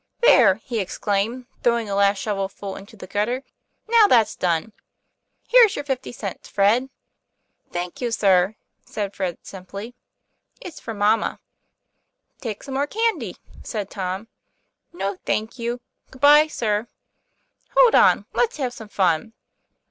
'There!" he exclaimed, throwing a last shovelful into the gutter, " now that's done for. Here's your fifty cents, Fred." "Thank you, sir," said Fred simply. "It's for mamma. 1 'Take some more candy," said Tom. 'No, thank you. Good bye, sir." "Hold on; let's have some fun."